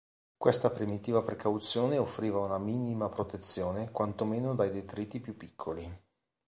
Questa primitiva precauzione offriva una minima protezione quantomeno dai detriti più piccoli.